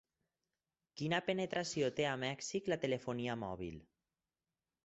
Quina penetració té a Mèxic la telefonia mòbil?